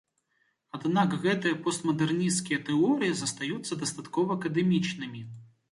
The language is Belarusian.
Аднак гэтыя постмадэрнісцкія тэорыі застаюцца дастаткова акадэмічнымі.